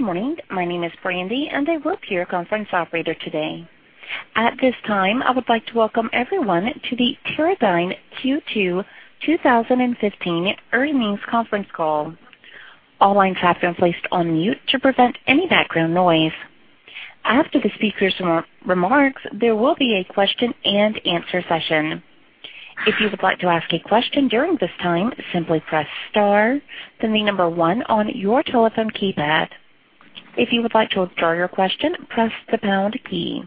Good morning. My name is Brandy, and I will be your conference operator today. At this time, I would like to welcome everyone to the Teradyne Q2 2015 Earnings Conference Call. All lines have been placed on mute to prevent any background noise. After the speakers' remarks, there will be a question-and-answer session. If you would like to ask a question during this time, simply press star then the number 1 on your telephone keypad. If you would like to withdraw your question, press the pound key.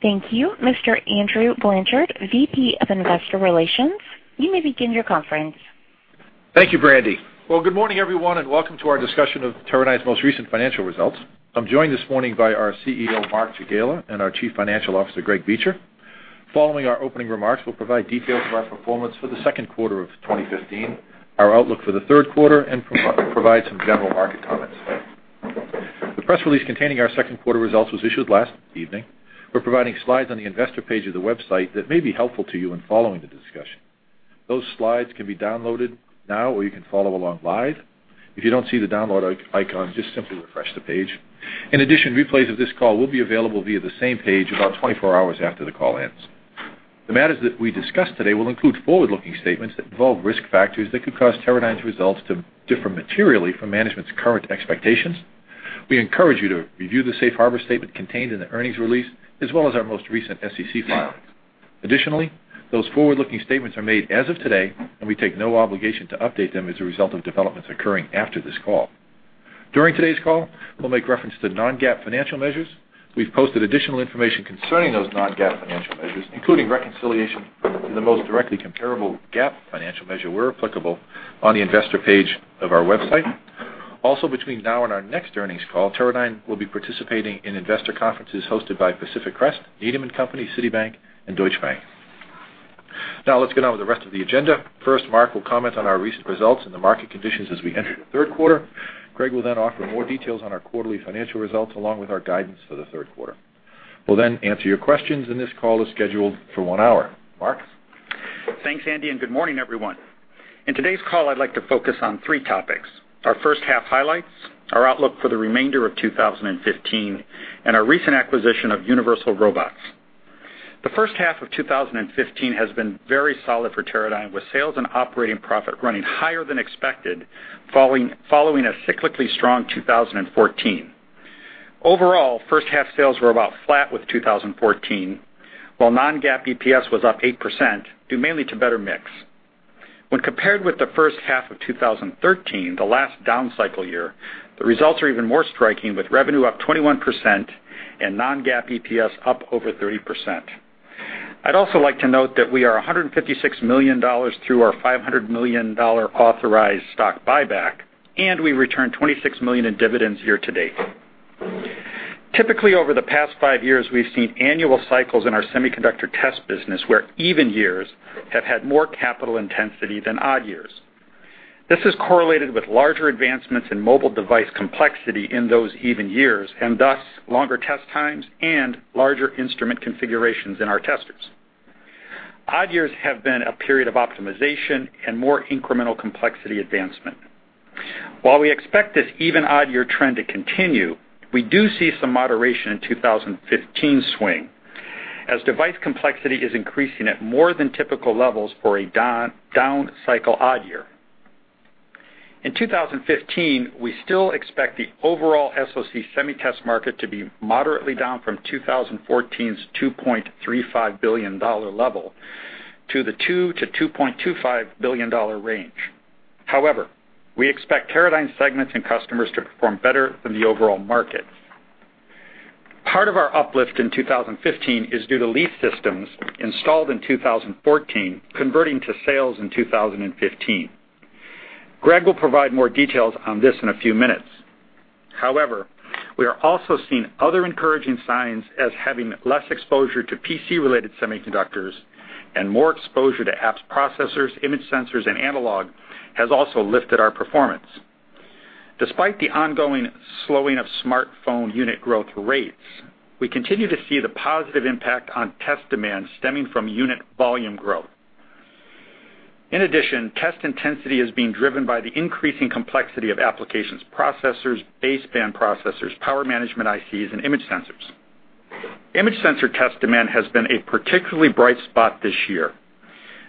Thank you, Mr. Andrew Blanchard, Vice President of Investor Relations, you may begin your conference. Thank you, Brandy. Well, good morning, everyone, and welcome to our discussion of Teradyne's most recent financial results. I'm joined this morning by our CEO, Mark Jagiela, and our Chief Financial Officer, Greg Beecher. Following our opening remarks, we'll provide details of our performance for the second quarter of 2015, our outlook for the third quarter, and provide some general market comments. The press release containing our second quarter results was issued last evening. We're providing slides on the investor page of the website that may be helpful to you in following the discussion. Those slides can be downloaded now, or you can follow along live. If you don't see the download icon, just simply refresh the page. In addition, replays of this call will be available via the same page about 24 hours after the call ends. The matters that we discuss today will include forward-looking statements that involve risk factors that could cause Teradyne's results to differ materially from management's current expectations. We encourage you to review the safe harbor statement contained in the earnings release, as well as our most recent SEC filings. Additionally, those forward-looking statements are made as of today, and we take no obligation to update them as a result of developments occurring after this call. During today's call, we'll make reference to non-GAAP financial measures. We've posted additional information concerning those non-GAAP financial measures, including reconciliation to the most directly comparable GAAP financial measure where applicable, on the investor page of our website. Also between now and our next earnings call, Teradyne will be participating in investor conferences hosted by Pacific Crest, Needham & Company, Citibank, and Deutsche Bank. Let's get on with the rest of the agenda. First, Mark will comment on our recent results and the market conditions as we enter the third quarter. Greg will then offer more details on our quarterly financial results, along with our guidance for the third quarter. We'll then answer your questions, and this call is scheduled for one hour. Mark? Thanks, Andy, and good morning, everyone. In today's call, I'd like to focus on three topics: our first half highlights, our outlook for the remainder of 2015, and our recent acquisition of Universal Robots. The first half of 2015 has been very solid for Teradyne, with sales and operating profit running higher than expected following a cyclically strong 2014. Overall, first half sales were about flat with 2014, while non-GAAP EPS was up 8%, due mainly to better mix. When compared with the first half of 2013, the last down cycle year, the results are even more striking, with revenue up 21% and non-GAAP EPS up over 30%. I'd also like to note that we are $156 million through our $500 million authorized stock buyback, and we returned $26 million in dividends year-to-date. Typically, over the past five years, we've seen annual cycles in our semiconductor test business where even years have had more capital intensity than odd years. This is correlated with larger advancements in mobile device complexity in those even years, and thus longer test times and larger instrument configurations in our testers. Odd years have been a period of optimization and more incremental complexity advancement. While we expect this even-odd year trend to continue, we do see some moderation in 2015's swing as device complexity is increasing at more than typical levels for a down cycle odd year. In 2015, we still expect the overall SOC Semi Test market to be moderately down from 2014's $2.35 billion level to the $2 billion-$2.25 billion range. We expect Teradyne segments and customers to perform better than the overall market. Part of our uplift in 2015 is due to lease systems installed in 2014 converting to sales in 2015. Greg will provide more details on this in a few minutes. We are also seeing other encouraging signs as having less exposure to PC-related semiconductors and more exposure to apps processors, image sensors, and analog has also lifted our performance. Despite the ongoing slowing of smartphone unit growth rates, we continue to see the positive impact on test demand stemming from unit volume growth. Test intensity is being driven by the increasing complexity of applications processors, baseband processors, power management ICs, and image sensors. Image sensor test demand has been a particularly bright spot this year.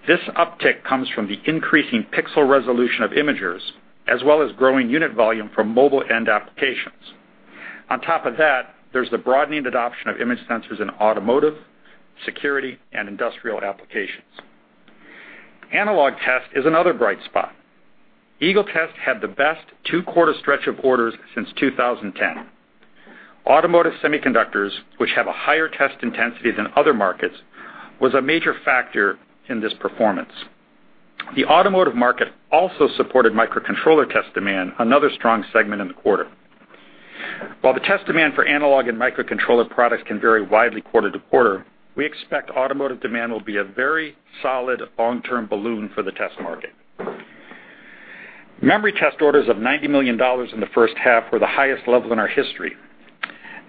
This uptick comes from the increasing pixel resolution of imagers, as well as growing unit volume from mobile end applications. On top of that, there's the broadening adoption of image sensors in automotive, security, and Industrial Automation applications. Analog test is another bright spot. Eagle Test had the best two-quarter stretch of orders since 2010. Automotive semiconductors, which have a higher test intensity than other markets, was a major factor in this performance. The automotive market also supported microcontroller test demand, another strong segment in the quarter. While the test demand for analog and microcontroller products can vary widely quarter to quarter, we expect automotive demand will be a very solid long-term boon for the test market. Memory test orders of $90 million in the first half were the highest level in our history.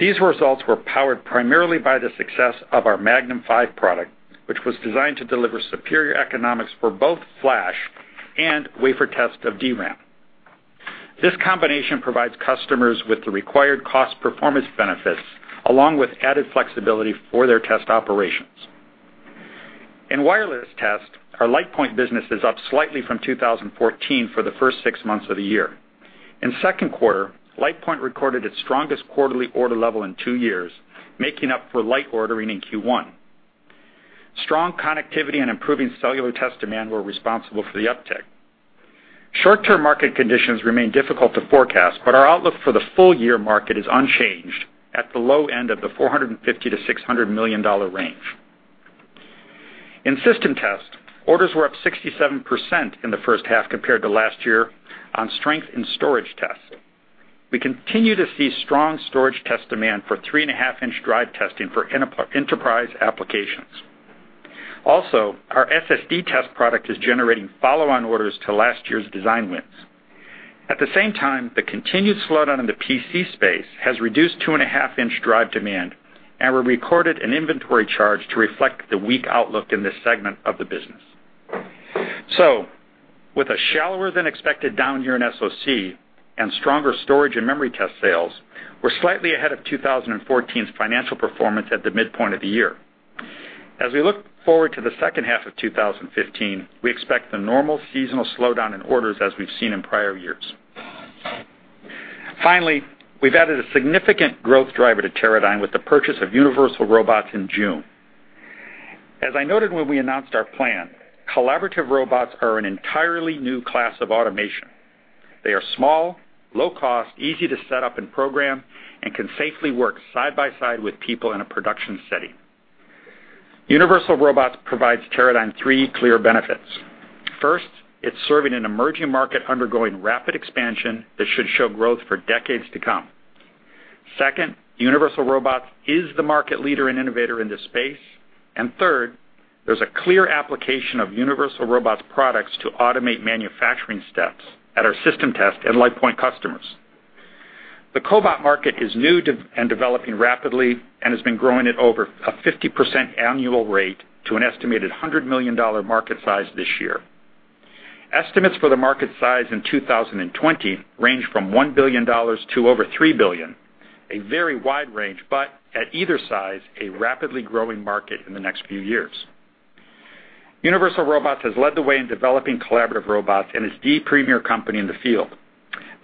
These results were powered primarily by the success of our Magnum V product, which was designed to deliver superior economics for both FLASH and wafer test of DRAM. This combination provides customers with the required cost performance benefits, along with added flexibility for their test operations. In wireless test, our LitePoint business is up slightly from 2014 for the first six months of the year. In second quarter, LitePoint recorded its strongest quarterly order level in two years, making up for light ordering in Q1. Strong connectivity and improving cellular test demand were responsible for the uptick. Short-term market conditions remain difficult to forecast, but our outlook for the full-year market is unchanged at the low end of the $450 million to $600 million range. In System Test, orders were up 67% in the first half compared to last year on strength in storage test. We continue to see strong storage test demand for three and a half inch drive testing for enterprise applications. Also, our SSD test product is generating follow-on orders to last year's design wins. At the same time, the continued slowdown in the PC space has reduced two and a half inch drive demand, and we recorded an inventory charge to reflect the weak outlook in this segment of the business. With a shallower than expected down year in SoC and stronger storage and memory test sales, we're slightly ahead of 2014's financial performance at the midpoint of the year. As we look forward to the second half of 2015, we expect the normal seasonal slowdown in orders as we've seen in prior years. Finally, we've added a significant growth driver to Teradyne with the purchase of Universal Robots in June. As I noted when we announced our plan, collaborative robots are an entirely new class of automation. They are small, low cost, easy to set up and program, and can safely work side by side with people in a production setting. Universal Robots provides Teradyne three clear benefits. First, it's serving an emerging market undergoing rapid expansion that should show growth for decades to come. Second, Universal Robots is the market leader and innovator in this space. Third, there's a clear application of Universal Robots products to automate manufacturing steps at our System Test and LitePoint customers. The cobot market is new and developing rapidly and has been growing at over a 50% annual rate to an estimated $100 million market size this year. Estimates for the market size in 2020 range from $1 billion to over $3 billion, a very wide range, but at either size, a rapidly growing market in the next few years. Universal Robots has led the way in developing collaborative robots and is the premier company in the field.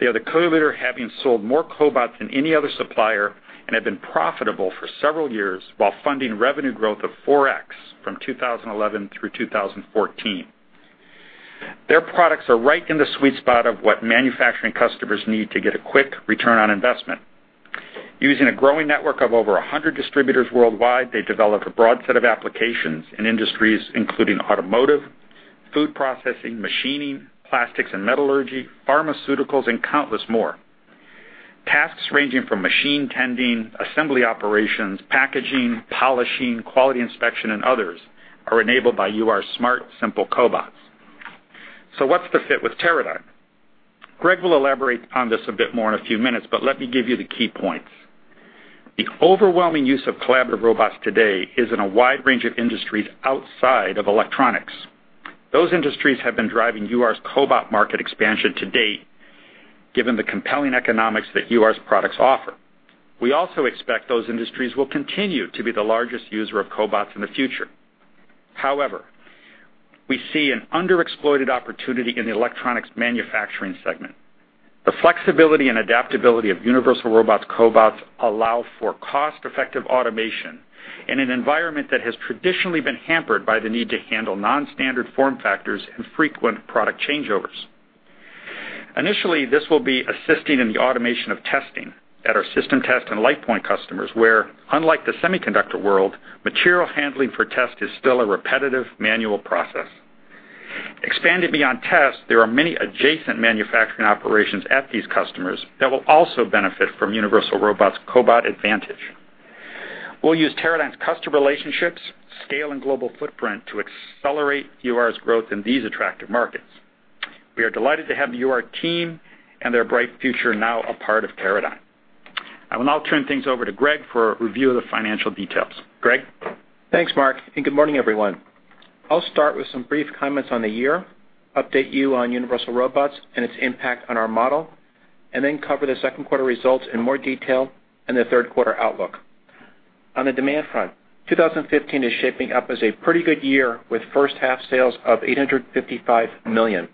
They are the co-leader, having sold more cobots than any other supplier and have been profitable for several years while funding revenue growth of 4x from 2011 through 2014. Their products are right in the sweet spot of what manufacturing customers need to get a quick return on investment. Using a growing network of over 100 distributors worldwide, they develop a broad set of applications in industries including automotive, food processing, machining, plastics and metallurgy, pharmaceuticals, and countless more. Tasks ranging from machine tending, assembly operations, packaging, polishing, quality inspection, and others are enabled by UR's smart, simple cobots. What's the fit with Teradyne? Greg will elaborate on this a bit more in a few minutes, but let me give you the key points. The overwhelming use of collaborative robots today is in a wide range of industries outside of electronics. Those industries have been driving UR's cobot market expansion to date, given the compelling economics that UR's products offer. We also expect those industries will continue to be the largest user of cobots in the future. However, we see an underexploited opportunity in the electronics manufacturing segment. The flexibility and adaptability of Universal Robots' cobots allow for cost-effective automation in an environment that has traditionally been hampered by the need to handle non-standard form factors and frequent product changeovers. Initially, this will be assisting in the automation of testing at our System Test and LitePoint customers, where, unlike the semiconductor world, material handling for test is still a repetitive manual process. Expanding beyond test, there are many adjacent manufacturing operations at these customers that will also benefit from Universal Robots' cobot advantage. We'll use Teradyne's customer relationships, scale, and global footprint to accelerate UR's growth in these attractive markets. We are delighted to have the UR team and their bright future now a part of Teradyne. I will now turn things over to Greg for a review of the financial details. Greg? Thanks, Mark, and good morning, everyone. I'll start with some brief comments on the year, update you on Universal Robots and its impact on our model, and then cover the second quarter results in more detail and the third quarter outlook. On the demand front, 2015 is shaping up as a pretty good year with first half sales of $855 million.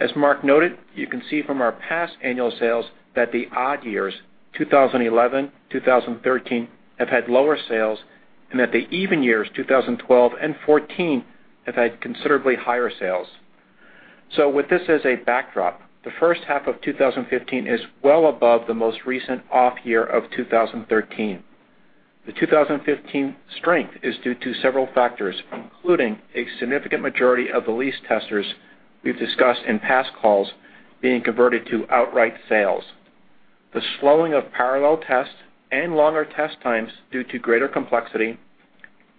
As Mark noted, you can see from our past annual sales that the odd years, 2011, 2013, have had lower sales, and that the even years, 2012 and 2014, have had considerably higher sales. With this as a backdrop, the first half of 2015 is well above the most recent off year of 2013. The 2015 strength is due to several factors, including a significant majority of the lease testers we've discussed in past calls being converted to outright sales. The slowing of parallel tests and longer test times due to greater complexity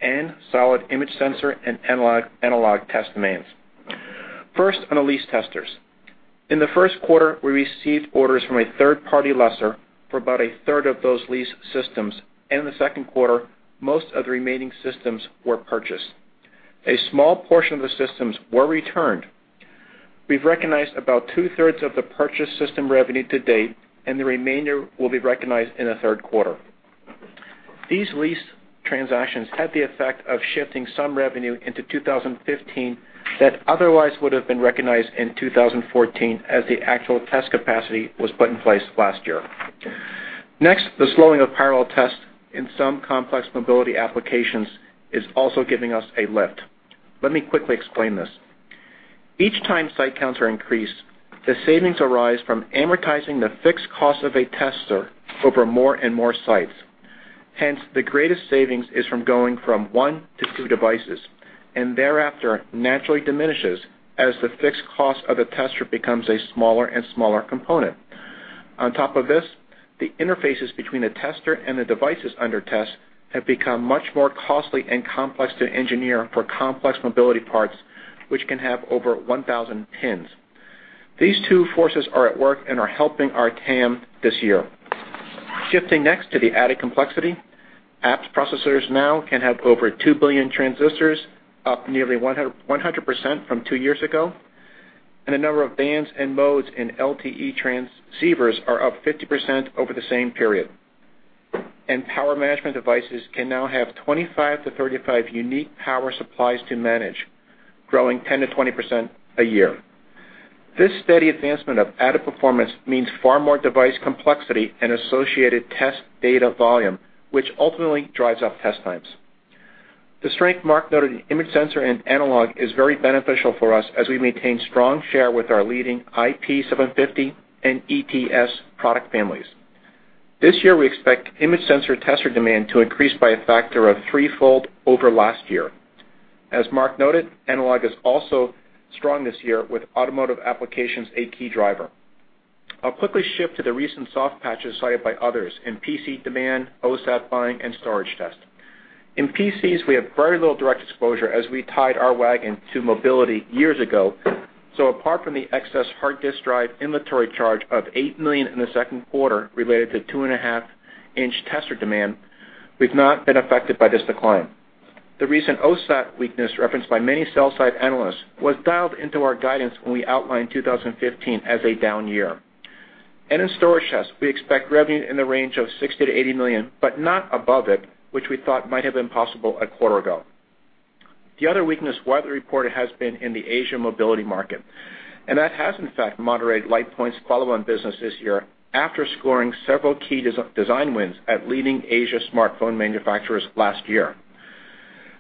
and solid image sensor and analog test demands. First on the lease testers. In the first quarter, we received orders from a third-party lessor for about a third of those lease systems. In the second quarter, most of the remaining systems were purchased. A small portion of the systems were returned. We've recognized about two-thirds of the purchase system revenue to date, and the remainder will be recognized in the third quarter. These lease transactions had the effect of shifting some revenue into 2015 that otherwise would have been recognized in 2014 as the actual test capacity was put in place last year. Next, the slowing of parallel test in some complex mobility applications is also giving us a lift. Let me quickly explain this. Each time site counts are increased, the savings arise from amortizing the fixed cost of a tester over more and more sites. Hence, the greatest savings is from going from one to two devices, and thereafter, naturally diminishes as the fixed cost of the tester becomes a smaller and smaller component. On top of this, the interfaces between the tester and the devices under test have become much more costly and complex to engineer for complex mobility parts, which can have over 1,000 pins. These two forces are at work and are helping our TAM this year. Shifting next to the added complexity, apps processors now can have over 2 billion transistors, up nearly 100% from two years ago, and the number of bands and modes in LTE transceivers are up 50% over the same period. Power management devices can now have 25 to 35 unique power supplies to manage, growing 10%-20% a year. This steady advancement of added performance means far more device complexity and associated test data volume, which ultimately drives up test times. The strength Mark noted in image sensor and analog is very beneficial for us as we maintain strong share with our leading IP750 and ETS product families. This year, we expect image sensor tester demand to increase by a factor of threefold over last year. As Mark noted, analog is also strong this year, with automotive applications a key driver. I'll quickly shift to the recent soft patches cited by others in PC demand, OSAT buying, and storage test. In PCs, we have very little direct exposure as we tied our wagon to mobility years ago. Apart from the excess hard disk drive inventory charge of $8 million in the second quarter related to two and a half inch tester demand, we've not been affected by this decline. The recent OSAT weakness referenced by many sell side analysts was dialed into our guidance when we outlined 2015 as a down year. In storage tests, we expect revenue in the range of $60 million-$80 million, but not above it, which we thought might have been possible a quarter ago. The other weakness widely reported has been in the Asia mobility market, and that has in fact moderated LitePoint's follow-on business this year after scoring several key design wins at leading Asia smartphone manufacturers last year.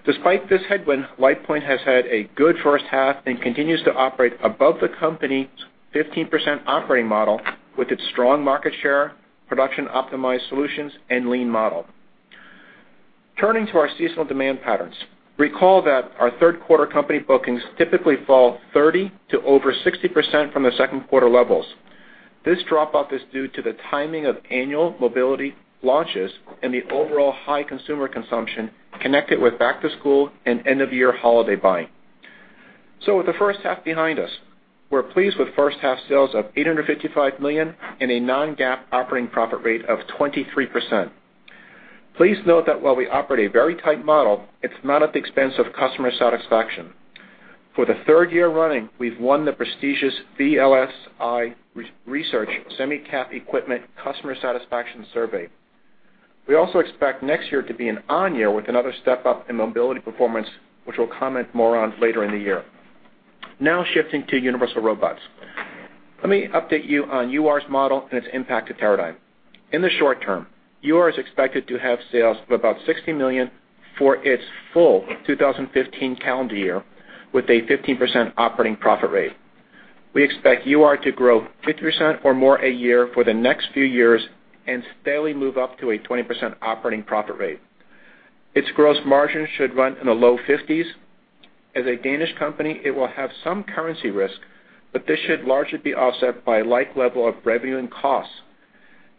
Despite this headwind, LitePoint has had a good first half and continues to operate above the company's 15% operating model with its strong market share, production optimized solutions, and lean model. Turning to our seasonal demand patterns. Recall that our third quarter company bookings typically fall 30%-60% from the second quarter levels. This drop-off is due to the timing of annual mobility launches and the overall high consumer consumption connected with back-to-school and end-of-year holiday buying. With the first half behind us, we're pleased with first half sales of $855 million and a non-GAAP operating profit rate of 23%. Please note that while we operate a very tight model, it's not at the expense of customer satisfaction. For the third year running, we've won the prestigious VLSIresearch Semicap Equipment Customer Satisfaction Survey. We also expect next year to be an on year with another step up in mobility performance, which we'll comment more on later in the year. Shifting to Universal Robots, let me update you on UR's model and its impact to Teradyne. In the short term, UR is expected to have sales of about $60 million for its full 2015 calendar year with a 15% operating profit rate. We expect UR to grow 50% or more a year for the next few years and steadily move up to a 20% operating profit rate. Its gross margin should run in the low 50s. As a Danish company, it will have some currency risk, but this should largely be offset by a like level of revenue and costs.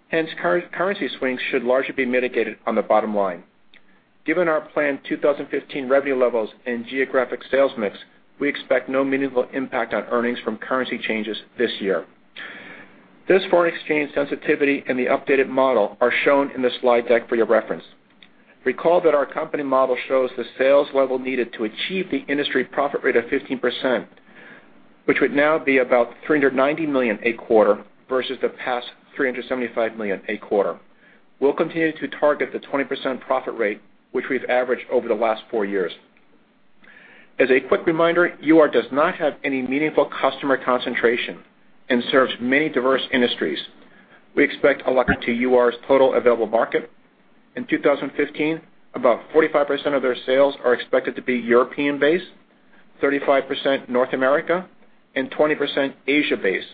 Hence, currency swings should largely be mitigated on the bottom line. Given our planned 2015 revenue levels and geographic sales mix, we expect no meaningful impact on earnings from currency changes this year. This foreign exchange sensitivity and the updated model are shown in the slide deck for your reference. Recall that our company model shows the sales level needed to achieve the industry profit rate of 15%, which would now be about $390 million a quarter versus the past $375 million a quarter. We'll continue to target the 20% profit rate, which we've averaged over the last four years. As a quick reminder, UR does not have any meaningful customer concentration and serves many diverse industries. We expect a locker to UR's total available market. In 2015, about 45% of their sales are expected to be European-based, 35% North America, and 20% Asia-based.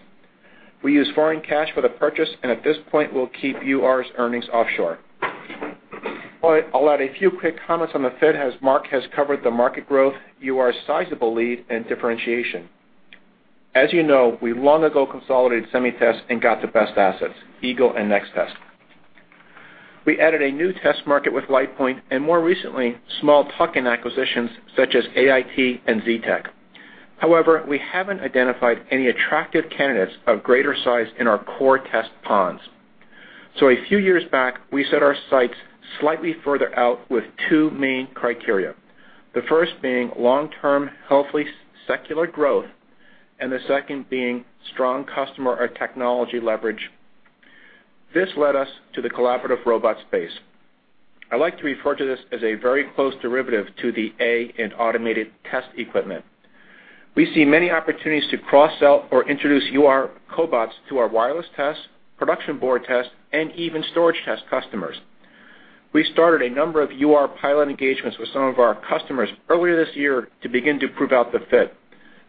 We use foreign cash for the purchase, and at this point, we'll keep UR's earnings offshore. I'll add a few quick comments on the fit as Mark has covered the market growth, UR's sizable lead, and differentiation. As you know, we long ago consolidated Semi Test and got the best assets, Eagle and Nextest. We added a new test market with LitePoint and more recently, small tuck-in acquisitions such as AIT and ZTEC. However, we haven't identified any attractive candidates of greater size in our core test ponds. A few years back, we set our sights slightly further out with two main criteria. The first being long-term, healthy, secular growth, and the second being strong customer or technology leverage. This led us to the collaborative robot space. I like to refer to this as a very close derivative to the A in automated test equipment. We see many opportunities to cross-sell or introduce UR cobots to our wireless test, production board test, and even storage test customers. We started a number of UR pilot engagements with some of our customers earlier this year to begin to prove out the fit.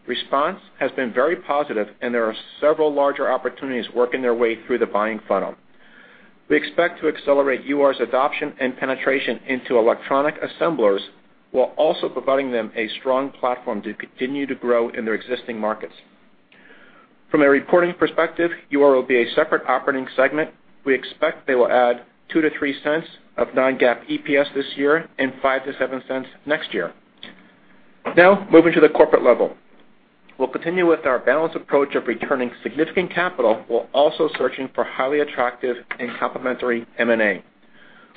Response has been very positive, and there are several larger opportunities working their way through the buying funnel. We expect to accelerate UR's adoption and penetration into electronic assemblers while also providing them a strong platform to continue to grow in their existing markets. From a reporting perspective, UR will be a separate operating segment. We expect they will add $0.02-$0.03 of non-GAAP EPS this year and $0.05-$0.07 next year. Moving to the corporate level, we'll continue with our balanced approach of returning significant capital while also searching for highly attractive and complementary M&A.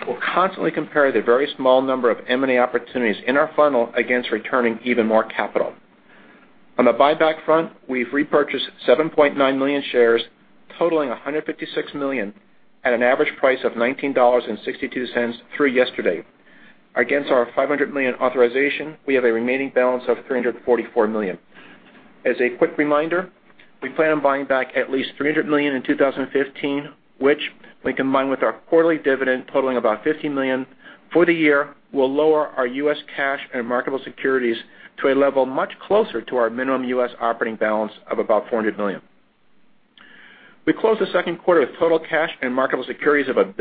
We'll constantly compare the very small number of M&A opportunities in our funnel against returning even more capital. On the buyback front, we've repurchased 7.9 million shares, totaling $156 million at an average price of $19.62 through yesterday. Against our $500 million authorization, we have a remaining balance of $344 million. As a quick reminder, we plan on buying back at least $300 million in 2015, which, when combined with our quarterly dividend totaling about $50 million for the year, will lower our U.S. cash and marketable securities to a level much closer to our minimum U.S. operating balance of about $400 million. We closed the second quarter with total cash and marketable securities of $1.029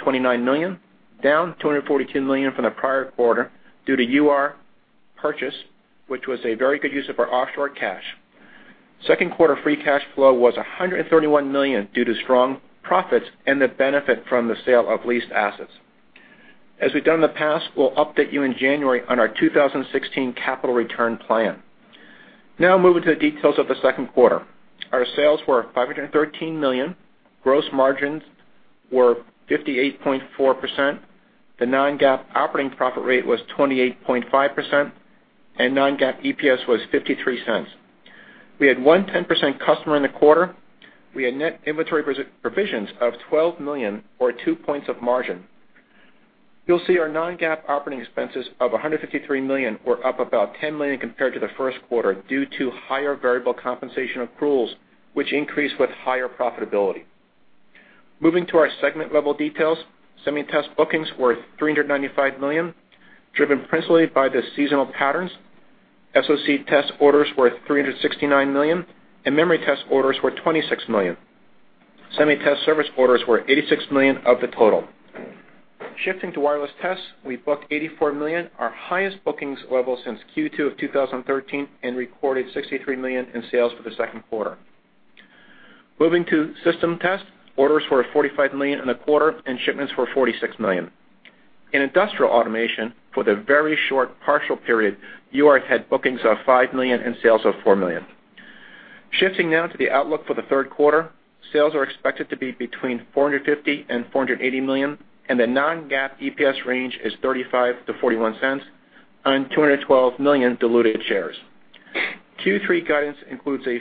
billion, down $242 million from the prior quarter due to UR purchase, which was a very good use of our offshore cash. Second quarter free cash flow was $131 million due to strong profits and the benefit from the sale of leased assets. As we've done in the past, we'll update you in January on our 2016 capital return plan. Moving to the details of the second quarter. Our sales were $513 million. Gross margins were 58.4%. The non-GAAP operating profit rate was 28.5%, and non-GAAP EPS was $0.53. We had one 10% customer in the quarter. We had net inventory provisions of $12 million or two points of margin. You'll see our non-GAAP operating expenses of $153 million were up about $10 million compared to the first quarter due to higher variable compensation accruals, which increase with higher profitability. Moving to our segment level details, Semi Test bookings were $395 million, driven principally by the seasonal patterns. SoC test orders were $369 million, and memory test orders were $26 million. Semi Test service orders were $86 million of the total. Shifting to Wireless Test, we booked $84 million, our highest bookings level since Q2 of 2013, and recorded $63 million in sales for the second quarter. Moving to System Test, orders were at $45 million in the quarter, and shipments were $46 million. In Industrial Automation, for the very short partial period, UR had bookings of $5 million and sales of $4 million. Shifting to the outlook for the third quarter, sales are expected to be between $450 million-$480 million, and the non-GAAP EPS range is $0.35-$0.41 on 212 million diluted shares. Q3 guidance includes a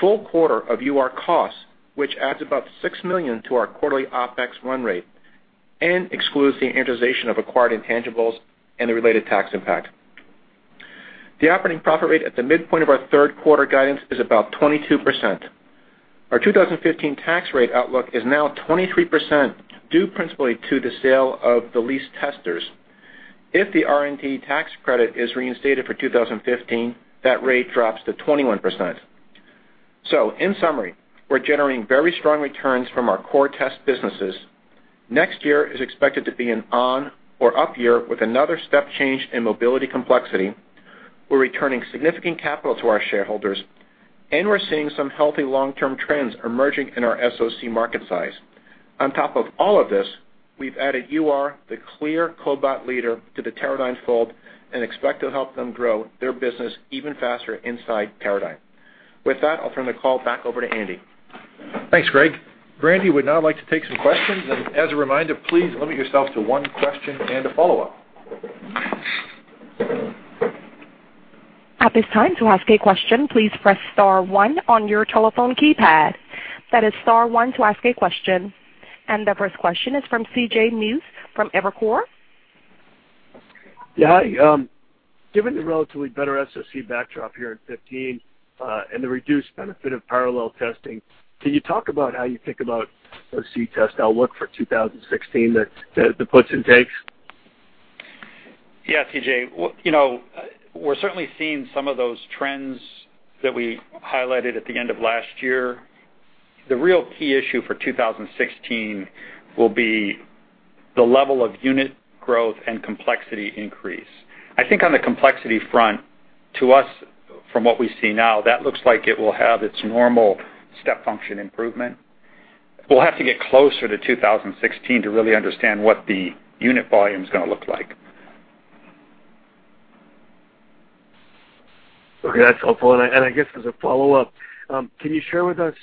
full quarter of UR costs, which adds about $6 million to our quarterly OpEx run rate and excludes the amortization of acquired intangibles and the related tax impact. The operating profit rate at the midpoint of our third quarter guidance is about 22%. Our 2015 tax rate outlook is now 23%, due principally to the sale of the lease testers. If the R&D tax credit is reinstated for 2015, that rate drops to 21%. In summary, we're generating very strong returns from our core test businesses. Next year is expected to be an on or up year with another step change in mobility complexity. We're returning significant capital to our shareholders, and we're seeing some healthy long-term trends emerging in our SoC market size. On top of all of this, we've added UR, the clear cobot leader, to the Teradyne fold and expect to help them grow their business even faster inside Teradyne. With that, I'll turn the call back over to Andy. Thanks, Greg. Brandy would now like to take some questions. As a reminder, please limit yourself to one question and a follow-up. At this time, to ask a question, please press star one on your telephone keypad. That is star one to ask a question. The first question is from C.J. Muse from Evercore. Yeah, hi. Given the relatively better SoC backdrop here in 2015, and the reduced benefit of parallel testing, can you talk about how you think about SoC test outlook for 2016, the puts and takes? Yeah, C.J., we're certainly seeing some of those trends that we highlighted at the end of last year. The real key issue for 2016 will be the level of unit growth and complexity increase. I think on the complexity front. To us, from what we see now, that looks like it will have its normal step function improvement. We'll have to get closer to 2016 to really understand what the unit volume is going to look like. Okay, that's helpful. I guess as a follow-up, can you share with us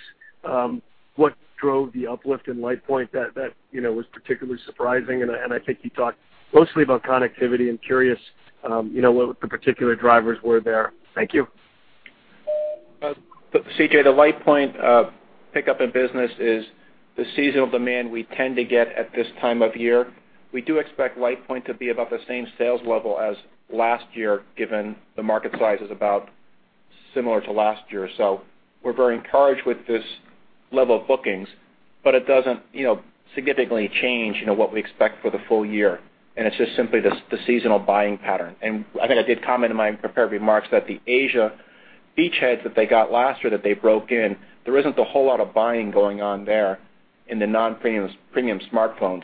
what drove the uplift in LitePoint that was particularly surprising? I think you talked mostly about connectivity. I'm curious what the particular drivers were there. Thank you. C.J., the LitePoint pickup in business is the seasonal demand we tend to get at this time of year. We do expect LitePoint to be about the same sales level as last year, given the market size is about similar to last year. We're very encouraged with this level of bookings, but it doesn't significantly change what we expect for the full year, and it's just simply the seasonal buying pattern. I think I did comment in my prepared remarks that the Asia beachheads that they got last year, that they broke in, there isn't a whole lot of buying going on there in the non-premium smartphones.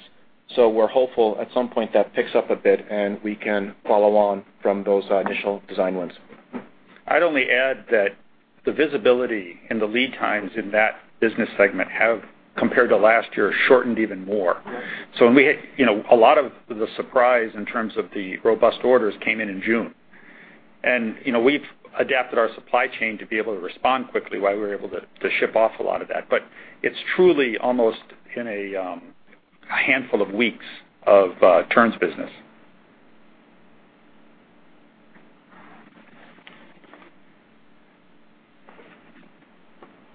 We're hopeful at some point that picks up a bit, and we can follow on from those initial design wins. I'd only add that the visibility and the lead times in that business segment have, compared to last year, shortened even more. A lot of the surprise in terms of the robust orders came in in June. We've adapted our supply chain to be able to respond quickly, why we were able to ship off a lot of that, but it's truly almost in a handful of weeks of turns business.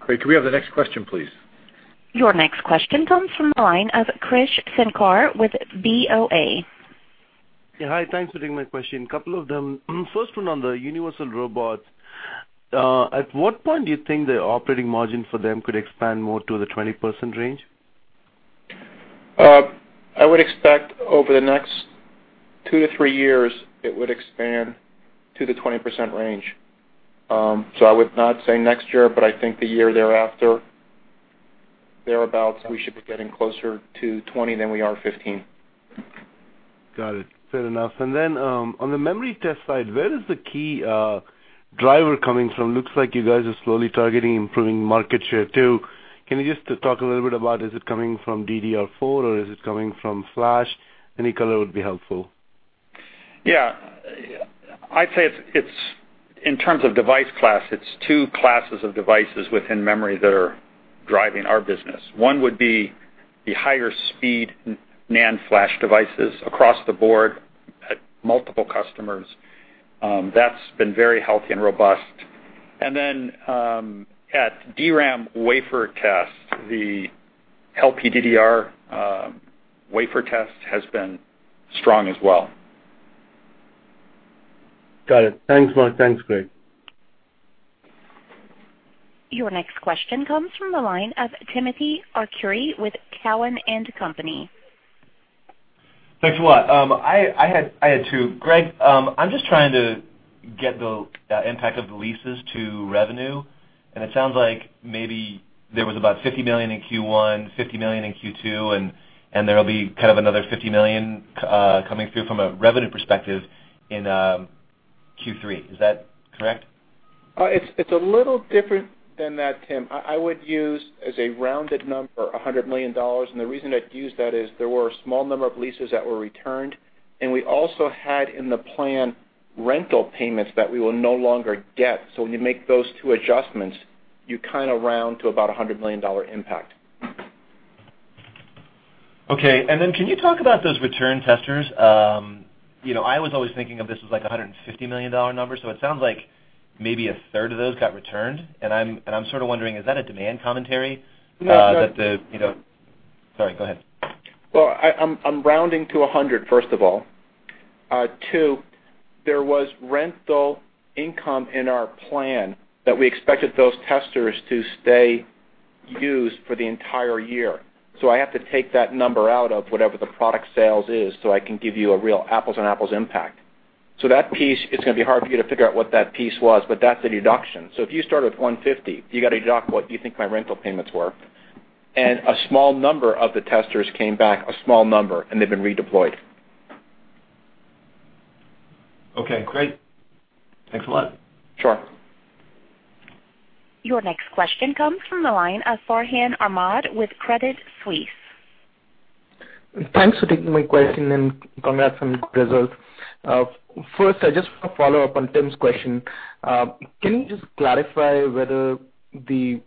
Great. Can we have the next question, please? Your next question comes from the line of Krish Sankar with BOA. Hi, thanks for taking my question, a couple of them. First one on the Universal Robots. At what point do you think the operating margin for them could expand more to the 20% range? I would expect over the next two to three years, it would expand to the 20% range. I would not say next year, but I think the year thereafter, thereabouts, we should be getting closer to 20 than we are 15. Got it. Fair enough. On the memory test side, where is the key driver coming from? Looks like you guys are slowly targeting improving market share too. Can you just talk a little bit about, is it coming from DDR4 or is it coming from flash? Any color would be helpful. Yeah. I'd say in terms of device class, it's 2 classes of devices within memory that are driving our business. One would be the higher speed NAND flash devices across the board at multiple customers. That's been very healthy and robust. At DRAM wafer test, the LPDDR wafer test has been strong as well. Got it. Thanks a lot. Thanks, Greg. Your next question comes from the line of Timothy Arcuri with Cowen and Company. Thanks a lot. I had two. Greg, I'm just trying to get the impact of the leases to revenue, and it sounds like maybe there was about $50 million in Q1, $50 million in Q2, and there'll be kind of another $50 million coming through from a revenue perspective in Q3. Is that correct? It's a little different than that, Tim. I would use as a rounded number, $100 million. The reason I'd use that is there were a small number of leases that were returned, and we also had in the plan rental payments that we will no longer get. When you make those two adjustments, you round to about $100 million impact. Okay. Can you talk about those return testers? I was always thinking of this as like $150 million number. It sounds like maybe a third of those got returned. I'm sort of wondering, is that a demand commentary? No, it's not. Sorry, go ahead. Well, I'm rounding to 100, first of all. Two, there was rental income in our plan that we expected those testers to stay used for the entire year. I have to take that number out of whatever the product sales is so I can give you a real apples-on-apples impact. That piece, it's going to be hard for you to figure out what that piece was, but that's a deduction. If you start with 150, you got to deduct what you think my rental payments were, and a small number of the testers came back, a small number, and they've been redeployed. Okay, great. Thanks a lot. Sure. Your next question comes from the line of Farhan Ahmad with Credit Suisse. Thanks for taking my question and congrats on the results. First, I just want to follow up on Tim's question. Can you just clarify whether the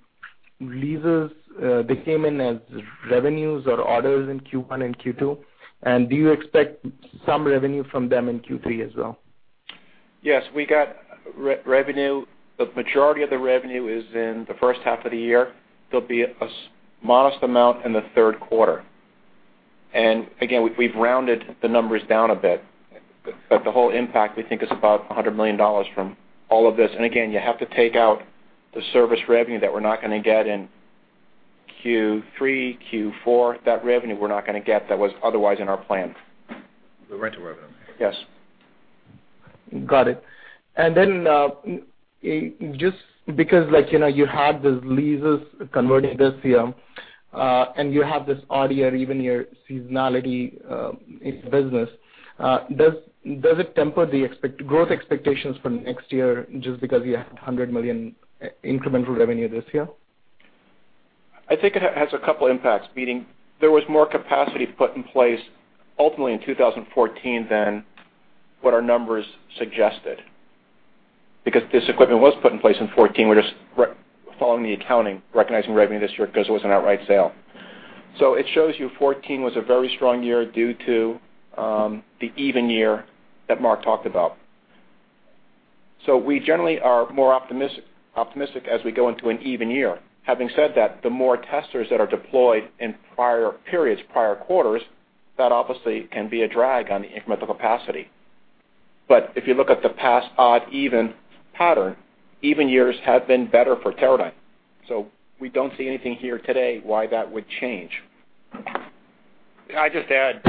leases came in as revenues or orders in Q1 and Q2? Do you expect some revenue from them in Q3 as well? Yes, we got revenue. The majority of the revenue is in the first half of the year. There'll be a modest amount in the third quarter. Again, we've rounded the numbers down a bit, but the whole impact we think is about $100 million from all of this. Again, you have to take out the service revenue that we're not going to get in Q3, Q4. That revenue we're not going to get, that was otherwise in our plan. The rental revenue. Yes. Got it. Just because you had these leases converting this year And you have this odd year, even year seasonality in business. Does it temper the growth expectations for next year just because you had $100 million incremental revenue this year? I think it has a couple impacts, meaning there was more capacity put in place ultimately in 2014 than what our numbers suggested. Because this equipment was put in place in 2014, we're just following the accounting, recognizing revenue this year because it was an outright sale. It shows you 2014 was a very strong year due to the even year that Mark talked about. We generally are more optimistic as we go into an even year. Having said that, the more testers that are deployed in prior periods, prior quarters, that obviously can be a drag on the incremental capacity. If you look at the past odd even pattern, even years have been better for Teradyne. We don't see anything here today why that would change. Can I just add,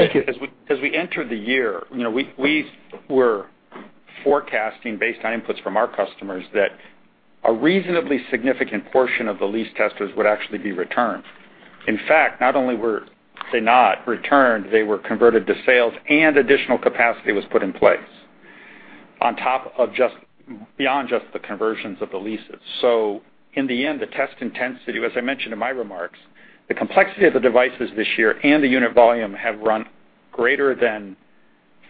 as we entered the year, we were forecasting based on inputs from our customers that a reasonably significant portion of the lease testers would actually be returned. In fact, not only were they not returned, they were converted to sales and additional capacity was put in place on top of just beyond just the conversions of the leases. In the end, the test intensity, as I mentioned in my remarks, the complexity of the devices this year and the unit volume have run greater than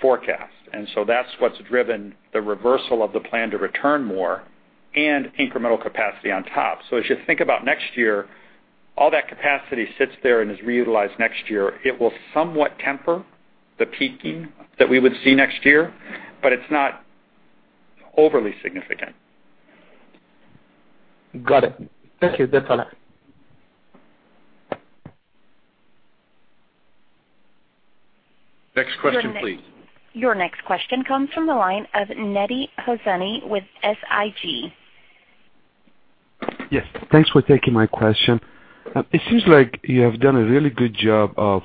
forecast. That's what's driven the reversal of the plan to return more and incremental capacity on top. As you think about next year, all that capacity sits there and is reutilized next year. It will somewhat temper the peaking that we would see next year, but it's not overly significant. Got it. Thank you. That's all I have. Next question, please. Your next question comes from the line of Mehdi Hosseini with SIG. Yes. Thanks for taking my question. It seems like you have done a really good job of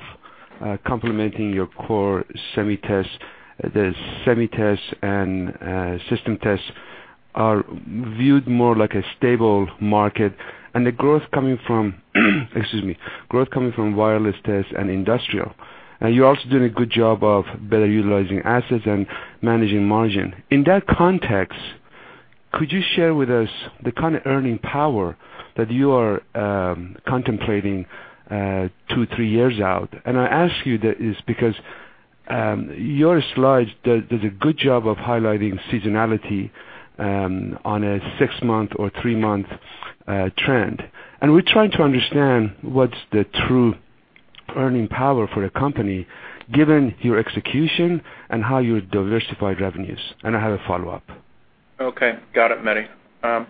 complementing your core Semi Test. The Semi Test and system tests are viewed more like a stable market and the growth coming from wireless tests and industrial. You're also doing a good job of better utilizing assets and managing margin. In that context, could you share with us the kind of earning power that you are contemplating two, three years out? I ask you this because your slides does a good job of highlighting seasonality on a six-month or three-month trend. We're trying to understand what's the true earning power for the company, given your execution and how you diversify revenues. I have a follow-up. Okay. Got it, Mehdi.